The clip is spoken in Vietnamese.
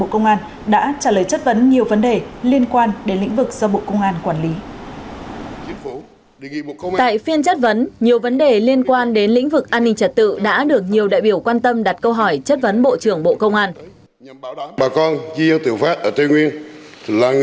các vấn đề liên quan đến lĩnh vực an ninh trật tự đã được nhiều đại biểu quan tâm đặt câu hỏi chất vấn bộ trưởng bộ công an